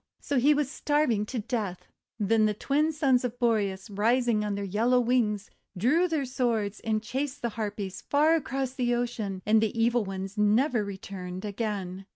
So he was starving to death. Then the Twin Sons of Boreas, rising on their yellow wings, drew their swords and chased the Harpies far across the ocean; and the evil ones never returned again.